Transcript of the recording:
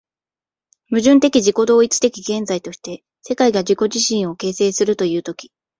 矛盾的自己同一的現在として、世界が自己自身を形成するという時、